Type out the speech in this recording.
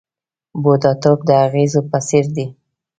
بوډاتوب د اغزیو په څېر دی .